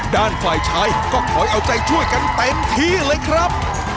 ด้านฝ่ายชายก็ขอเอาใจที่กันได้ที่เลยครับ